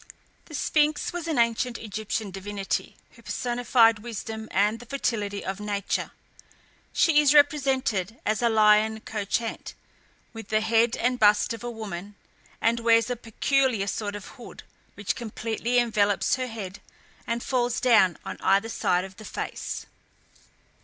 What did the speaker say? The Sphinx was an ancient Egyptian divinity, who personified wisdom, and the fertility of nature. She is represented as a lion couchant, with the head and bust of a woman, and wears a peculiar sort of hood, which completely envelops her head, and falls down on either side of the face.